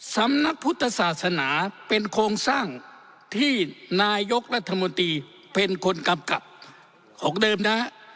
สำนักพุทธศาสนาเป็นโครงสร้างที่นายกรัฐมนตรีเป็นคนกำกับของเดิมนะฮะ